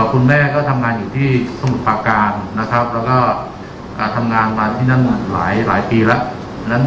คุณแม่ก็ทำงานอยู่ที่สมุทรปาการนะครับแล้วก็ทำงานมาที่นั่นหลายปีแล้ว